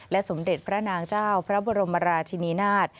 สมเด็จพระนางเจ้าพระบรมราชินีนาฏ